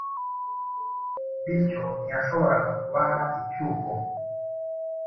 bityo ntiyashoboraga kubaha icyuho